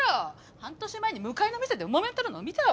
半年前に向かいの店でもめとるの見たわ。